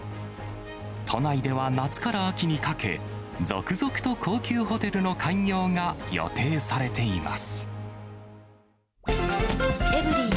都内では夏から秋にかけ、続々と高級ホテルの開業が予定されています。